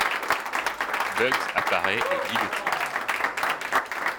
Bugs apparaît et lit le titre.